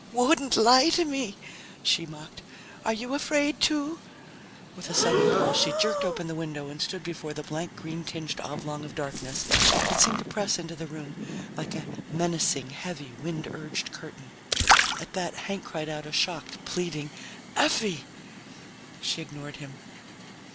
"Wouldn't lie to me!" she mocked. "Are you afraid, too?" With a sudden pull, she jerked open the window and stood before the blank green tinged oblong of darkness that seemed to press into the room like a menacing, heavy, wind urged curtain. At that Hank cried out a shocked, pleading, "Effie!" She ignored him.